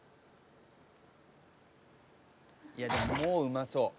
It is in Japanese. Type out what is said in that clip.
いやでももううまそう。